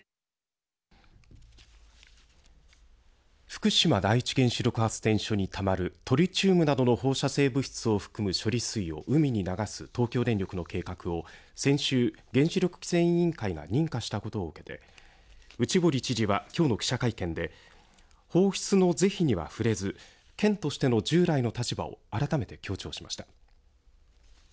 福島第一原子力発電所にたまるトリチウムなどの放射性物質を含む処理水を海に流す東京電力の計画を先週、原子力規制委員会が認可したことを受けて内堀知事はきょうの記者会見で放出の是非には触れず県としての従来の立場を改めて強調しました。